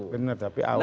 benar tapi awalnya